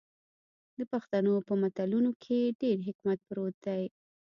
د پښتنو په متلونو کې ډیر حکمت پروت دی.